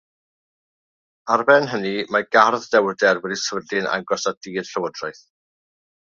Ar ben hynny, mae "Gardd Dewrder" wedi'i sefydlu yn agos at Dŷ'r Llywodraeth.